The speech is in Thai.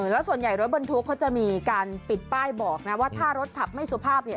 แล้วส่วนใหญ่รถบรรทุกเขาจะมีการปิดป้ายบอกนะว่าถ้ารถขับไม่สุภาพเนี่ย